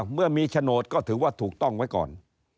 เมื่อมีโฉนดก็ถือว่าถูกต้องไว้ก่อน